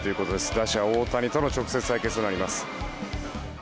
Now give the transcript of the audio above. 打者・大谷との直接対決があります。